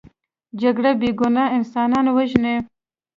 جګړه بې ګناه انسانان وژني